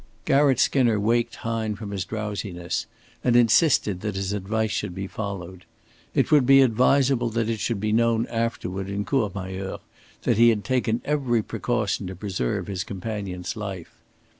Garratt Skinner waked Hine from his drowsiness and insisted that his advice should be followed. It would be advisable that it should be known afterward in Courmayeur that he had taken every precaution to preserve his companion's life.